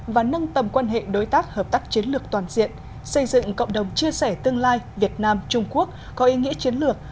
và nâng tầm quan hệ đối tác hợp tác chiến lược toàn diện xây dựng cộng đồng chia sẻ tương lai việt nam trung quốc có ý nghĩa chiến lược